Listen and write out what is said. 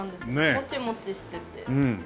モチモチしてて。